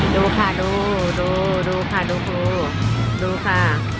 ดูค่ะดูดูดูค่ะดูดูค่ะ